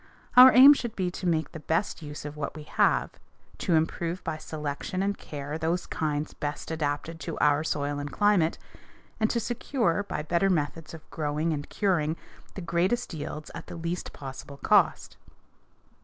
Our aim should be to make the best use of what we have, to improve by selection and care those kinds best adapted to our soil and climate, and to secure, by better methods of growing and curing, the greatest yields at the least possible cost.